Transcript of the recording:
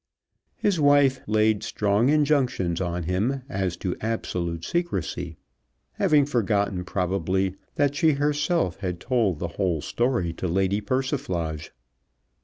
His wife laid strong injunctions on him as to absolute secrecy, having forgotten, probably, that she herself had told the whole story to Lady Persiflage.